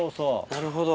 なるほど。